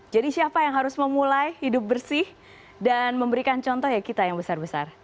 jadi siapa yang harus memulai hidup bersih dan memberikan contoh ya kita yang besar besar